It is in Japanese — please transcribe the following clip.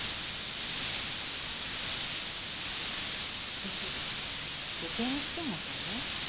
私余計に好きになったわよ。